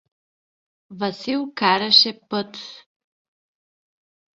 Васил караше тоя път лудешката.